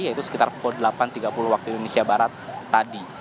yaitu sekitar pukul delapan tiga puluh waktu indonesia barat tadi